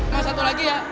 nah satu lagi ya